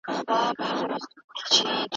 د ګولیو پاکټ د هغې لخوا د میز پر سر وغورځول شو.